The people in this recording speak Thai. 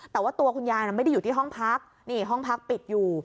แต่ว่าตัวคุณยายไม่ได้อยู่ที่ห้องพักนี่ห้องพักปิดอยู่